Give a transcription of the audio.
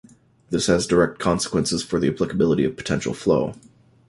This has direct consequences for the applicability of potential flow.